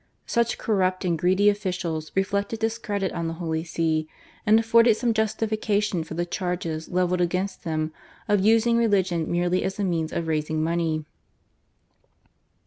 Such corrupt and greedy officials reflected discredit on the Holy See, and afforded some justification for the charges levelled against them of using religion merely as a means of raising money.